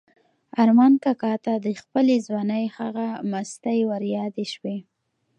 ارمان کاکا ته د خپلې ځوانۍ هغه مستۍ وریادې شوې.